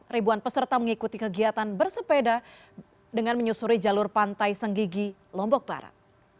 ribuan peserta mengikuti kegiatan bersepeda dengan menyusuri jalur pantai senggigi lombok barat